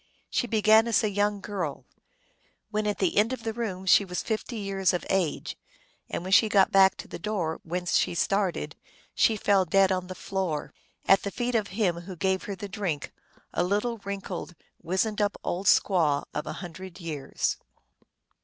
She began as a young girl ; when at the end of the room she was fifty years of age ; and when she got back to the door whence she started she fell dead on the floor, at the feet of him who gave her the drink, a little wrinkled, wizened up old squaw of a hundred years.